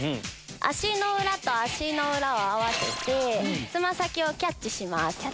足の裏と足の裏を合わせてつま先をキャッチします。